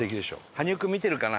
羽生君見てるかな？